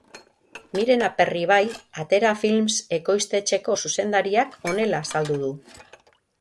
Miren Aperribai Atera Films ekoiztetxeko zuzendariak honela azaldu du.